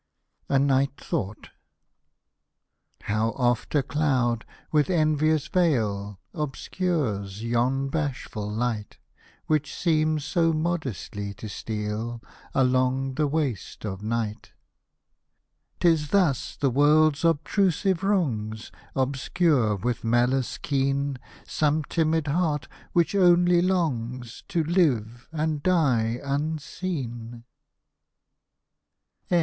A NIGHT THOUGHT How oft a cloud, with envious veil, Obscures yon bashful light. Which seems so modestly to steal Along the waste of night ! F Hosted by Google 66 EARLY POEMS, BALLADS, AND SONGS 'Tis thus the world's obtrusive wrongs Obscure, with malice keen, Some timid heart, which only longs To live and die unseen.